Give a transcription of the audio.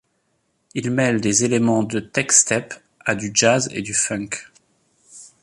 Il mêle des éléments de techstep à du jazz et du funk.